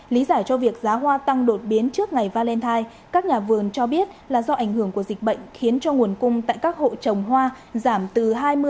lý giải cho việc giá hoa tăng đột biến trước ngày valentine các nhà vườn cho biết là do ảnh hưởng của dịch bệnh khiến cho nguồn cung tại các hộ trồng hoa giảm từ hai mươi